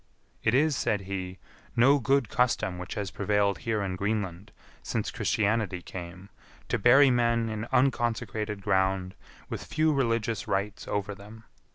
"It is," said he, "no good custom which has prevailed here in Greenland since Christianity came, to bury men in unconsecrated ground with few religious rites over them.